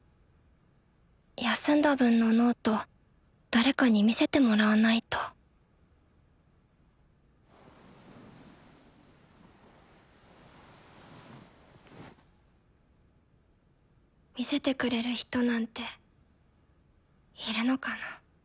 休んだ分のノート誰かに見せてもらわないと見せてくれる人なんているのかな？